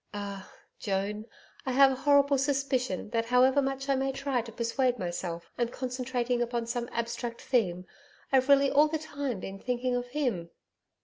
Ah Joan, I have a horrible suspicion that however much I may try to persuade myself I'm concentrating upon some abstract theme, I've really all the time been thinking of him.